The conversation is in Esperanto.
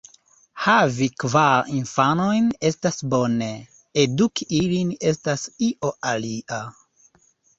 Havi kvar infanojn estas bone; eduki ilin estas io alia.